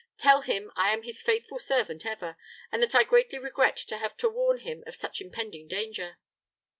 Tell him I am his faithful servant ever, and that I greatly regret to have to warn him of such impending danger."